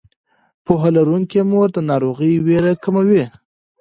پوهه لرونکې مور د ناروغۍ ویره کموي.